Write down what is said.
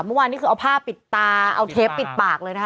เมื่อวานนี้คือเอาผ้าปิดตาเอาเทปปิดปากเลยนะคะ